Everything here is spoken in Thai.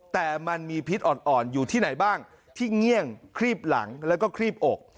แต่มันมีพิษอ่อนอยู่ที่ไหนบ้างที่เงี่ยงครีบหลังแล้วก็ครีบอก